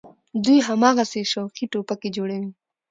دوى هماغسې شوقي ټوپکې جوړوي.